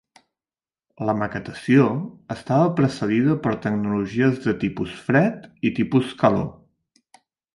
La maquetació estava precedida per tecnologies de tipus fred i tipus calor.